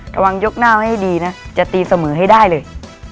ยกหน้าให้ดีนะจะตีเสมอให้ได้เลย